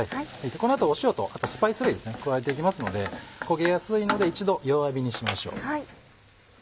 この後塩とスパイス類加えていきますので焦げやすいので一度弱火にしましょう。